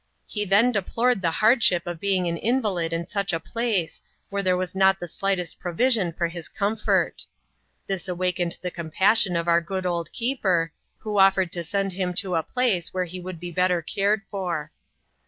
He then deplored the hardship of being an invalid in such a place, where there was not the slightest provision for bis comfort. This awakened tbe compassion of our good old keeper, who ofiered to send him to a place where he would be better cared for.